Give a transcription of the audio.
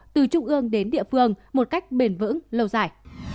từ trung ương đến địa phương một cách bền vững lâu dài